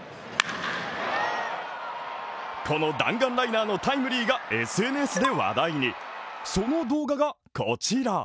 この弾丸ライナーのタイムリーがＳＮＳで話題にその動画がこちら。